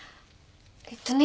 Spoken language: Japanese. えっとね。